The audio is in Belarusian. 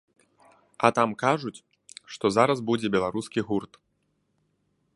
А там кажуць, што зараз будзе беларускі гурт.